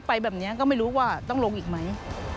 ไปแบบนี้ก็ไม่รู้ว่าต้องลงอีกไหม